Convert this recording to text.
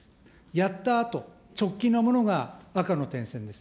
やったあと、直近なものが赤の点線です。